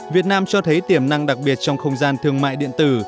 việt nam cho thấy tiềm năng đặc biệt trong không gian thương mại điện tử